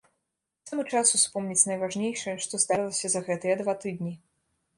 Самы час успомніць найважнейшае, што здарылася за гэтыя два тыдні.